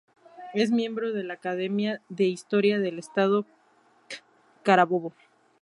Es miembro de la Academia de Historia del Estado Carabobo.